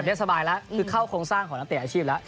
ได้สบายแล้วคือเข้าโครงสร้างของนักเตะอาชีพแล้ว